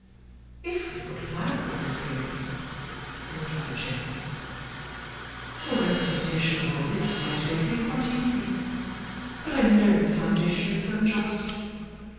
"If we thought alike of Miss Bingley," replied Jane, "your representation of all this might make me quite easy. But I know the foundation is unjust.